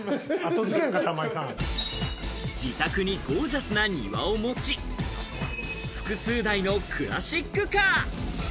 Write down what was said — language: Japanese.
自宅にゴージャスな庭を持ち、複数台のクラシックカー。